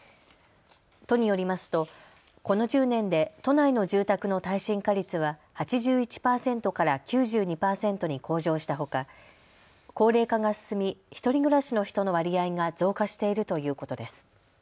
都によりますとこの１０年で都内の住宅の耐震化率は８１％から９２％に向上したほか高齢化が進み１人暮らしの人の割合が増加しているということです。